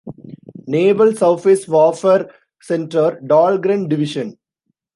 Naval Surface Warfare Center Dahlgren Division.